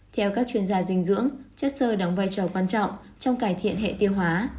theo các chuyên gia dinh dưỡng chất sơ đóng vai trò quan trọng trong cải thiện hệ tiêu hóa